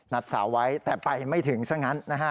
สาวไว้แต่ไปไม่ถึงซะงั้นนะฮะ